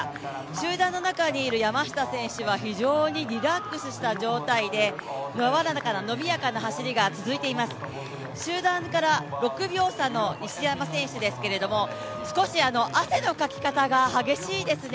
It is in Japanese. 集団の中にいる山下選手は非常にリラックスした状態でやわらかな、伸びやかな走りが続いています、集団から６秒差の西山選手ですけれども、汗のかき方が激しいですね。